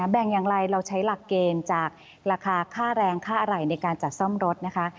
แบ่งอย่างไรเราใช้หลักเกณฑ์จากราคาค่าแรงค่าอะไรในการจัดซ่อมรถนะคะ